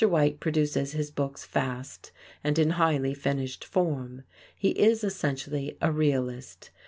White produces his books fast and in highly finished form. He is essentially a realist.